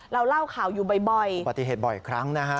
เล่าข่าวอยู่บ่อยอุบัติเหตุบ่อยครั้งนะฮะ